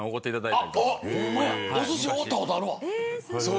お寿司おごったことあるわ。